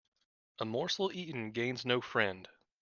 A morsel eaten gains no friend.